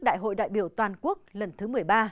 đại hội đại biểu toàn quốc lần thứ một mươi ba